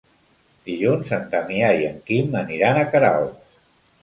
Dilluns en Damià i en Quim aniran a Queralbs.